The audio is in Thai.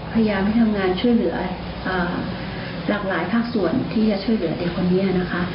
พยายามให้ทำงานช่วยเหลือหลากหลายภาคส่วนที่จะช่วยเหลือเด็กคนนี้นะคะ